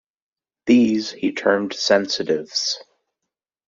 These he termed "sensitives".